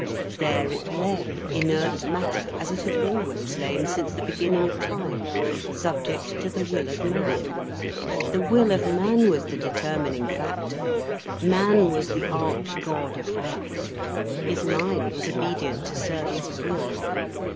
There it lay, inert matter, as it had always lain, since the beginning of time, subject to the will of man. The will of man was the determining factor. Man was the archgod of earth. His mind was obedient to serve his will.